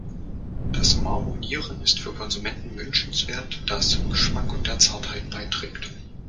Das Marmonieren ist für Konsumenten wünschenswert, da es zum Geschmack und der Zartheit beiträgt.